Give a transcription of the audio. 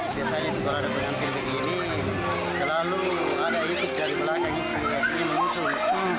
biasanya kalau ada pengantin begini selalu ada isi dari belakang itu yang menyusul